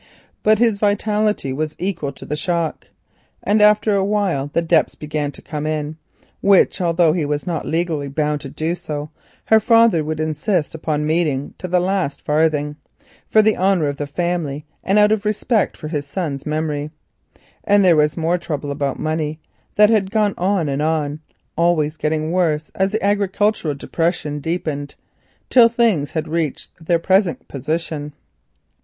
But his vitality was equal to the shock, and after a time the debts began to come in, which although he was not legally bound to do so, her father would insist upon meeting to the last farthing for the honour of the family and out of respect for his son's memory. This increased their money troubles, which had gone on and on, always getting worse as the agricultural depression deepened, till things had reached their present position.